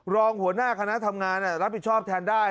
รองหน้าขณะทำงานเนี่ยรับประทับแทนได้